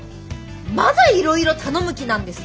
まだいろいろ頼む気なんですか？